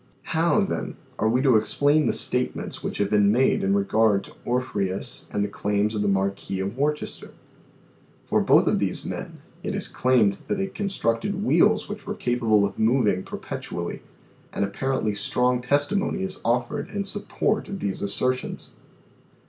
How, then, are we to explain the statements which have been made in regard to Orffyreus and the claims of the Marquis of Worcester ? For both of these men it is claimed that they constructed wheels which were capable of moving perpetually and apparently strong testi mony is offered in support of these assertions.